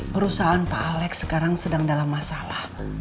perusahaan pak alex sekarang sedang dalam masalah